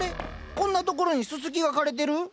こんなところにススキが枯れてる？